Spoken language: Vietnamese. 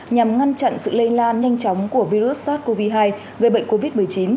nhằm ngăn chặn sự lây lan nhanh chóng của virus sars cov hai gây bệnh covid một mươi chín